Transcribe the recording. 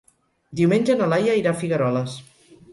Diumenge na Laia irà a Figueroles.